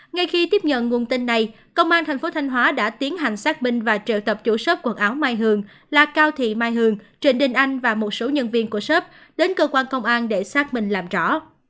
ngay khi tiếp nhận nguồn tin này công an thành phố thanh hóa đã tiến hành xác minh và triệu tập chủ shop quần áo mai hường là cao thị mai hường trịnh đình anh và một số nhân viên của shop đến cơ quan công an để xác minh làm rõ